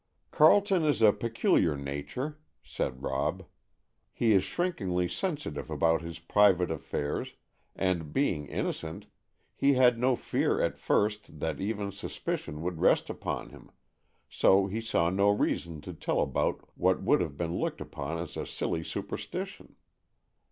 "Carleton is a peculiar nature," said Rob. "He is shrinkingly sensitive about his private affairs, and, being innocent, he had no fear at first that even suspicion would rest upon him, so he saw no reason to tell about what would have been looked upon as a silly superstition.